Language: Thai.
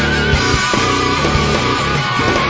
ดีดีดี